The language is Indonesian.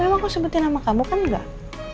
emang aku sebutin sama kamu kan enggak